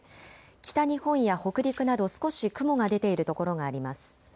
北日本や北陸など少し雲が出ている所があります。